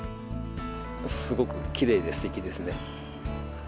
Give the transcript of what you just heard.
すごくきれいですてきですね。